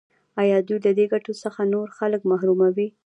آیا دوی له دې ګټو څخه نور خلک محروموي؟